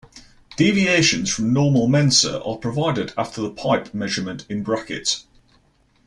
Deviations from Normalmensur are provided after the pipe measurement in brackets.